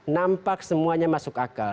nampak semuanya masuk akal